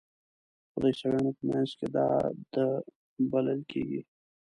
خو د عیسویانو په منځ کې دا د بلل کیږي.